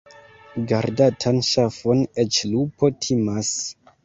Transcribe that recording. Gardatan ŝafon eĉ lupo timas.